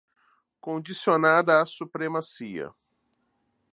Condicionada à supremacia